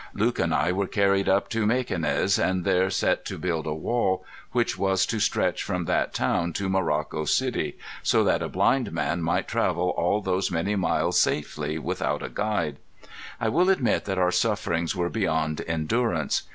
Luke and I were carried up to Mequinez, and there set to build a wall, which was to stretch from that town to Morocco city, so that a blind man might travel all those many miles safely without a guide. I will admit that our sufferings were beyond endurance.